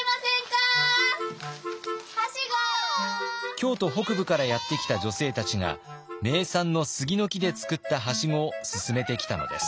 京都北部からやって来た女性たちが名産の杉の木で作ったはしごをすすめてきたのです。